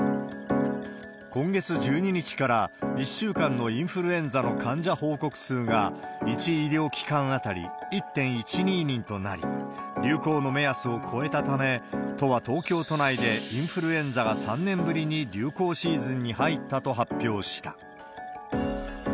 今月１２日から、１週間のインフルエンザの患者報告数が１医療機関当たり１．１２人となり、流行の目安を超えたため、都は東京都内でインフルエンザが３年ぶりに流行シーズンに入ったと発表した。